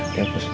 ya udah dihapus